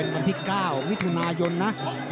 ส่วนคู่ต่อไปของกาวสีมือเจ้าระเข้ยวนะครับขอบคุณด้วย